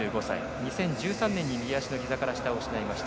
２０１３年に右足のひざから下を失いました。